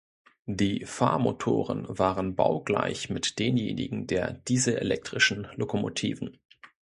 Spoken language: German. Die Fahrmotoren waren baugleich mit denjenigen der dieselelektrischen Lokomotiven.